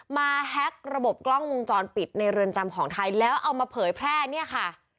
แฮ็กระบบกล้องวงจรปิดในเรือนจำของไทยแล้วเอามาเผยแพร่เนี่ยค่ะ